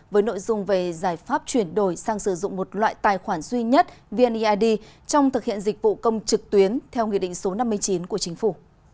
với nội dung về giải pháp chuyển đổi sang sử dụng một loại tài khoản duy nhất vneid trong thực hiện dịch vụ công trực tuyến theo nghị định số năm mươi chín của chính phủ